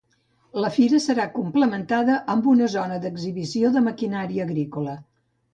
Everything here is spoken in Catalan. La fira serà complementada amb una zona d’exhibició de maquinària agrícola.